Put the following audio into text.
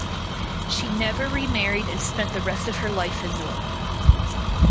She never remarried and spent the rest of her life in Norway.